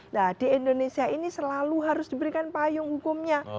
nah di indonesia ini selalu harus diberikan payung hukumnya